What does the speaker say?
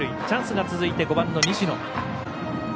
チャンスが続いて、５番の西野。